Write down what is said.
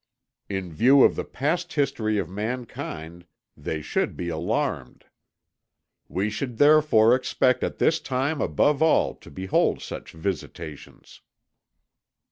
In view of the past history of mankind, they should be alarmed. We should therefore expect at this time above all to behold such visitations."